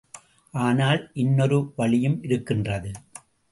ஆனால் இன்னொரு வழியும் இருக்கின்றது.